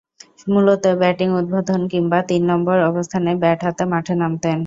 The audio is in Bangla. মূলতঃ ব্যাটিং উদ্বোধন কিংবা তিন নম্বর অবস্থানে ব্যাট হাতে মাঠে নামতেন।